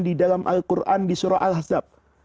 di dalam al quran di surah al hazab